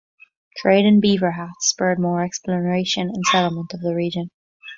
Trade in beaver hats spurred more exploration and settlement of the region.